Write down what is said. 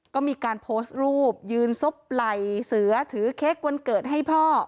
ก็มีการโพสต์รูปยืนซบไหล่เสือถือเค้กวันเกิดให้พ่อ